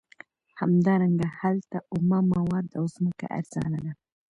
همدارنګه هلته اومه مواد او ځمکه ارزانه ده